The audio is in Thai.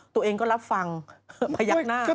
ตัวเองก็รับฟังพยักหน้า